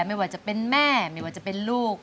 ไม่ว่าจะเป็นแม่ไม่ว่าจะเป็นลูก